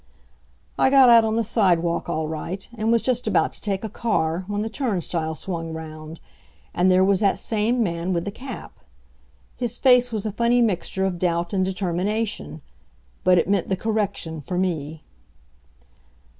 I got out on the sidewalk all right, and was just about to take a car when the turnstile swung round, and there was that same man with the cap. His face was a funny mixture of doubt and determination. But it meant the Correction for me.